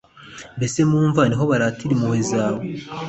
Mbese mu mva ni ho baratira impuhwe zawe